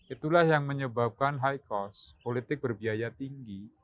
itulah yang menyebabkan high cost politik berbiaya tinggi